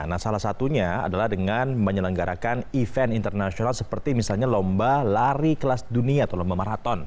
nah salah satunya adalah dengan menyelenggarakan event internasional seperti misalnya lomba lari kelas dunia atau lomba maraton